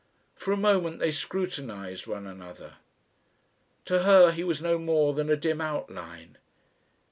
For a moment they scrutinised one another. To her he was no more than a dim outline.